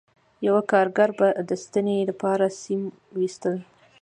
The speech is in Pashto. یوه کارګر به د ستنې لپاره سیم ویسته